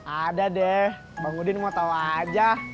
ada deh bang udin mau tau aja